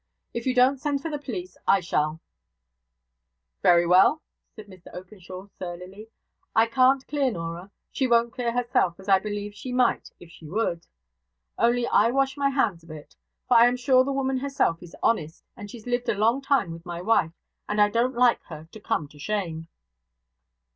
If you don't send for the police, I shall.' 'Very well,' replied Mr Openshaw, surlily. 'I can't clear Norah. She won't clear herself, as I believe she might if she would. Only I wash my hands of it; for I am sure the woman herself is honest, and she's lived a long time with my wife, and I don't like her to come to shame.'